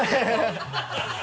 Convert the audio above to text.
ハハハ